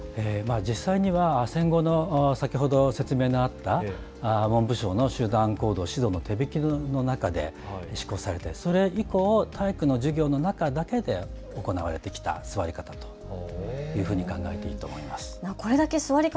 実際には戦後の先ほど説明があった文部省の集団行動指導の手びきの中で施行されてそれ以降、体育の授業の中だけで行われてきた座り方というふうに考えていると思います。